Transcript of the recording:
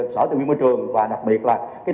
sở tài nguyên môi trường và đặc biệt là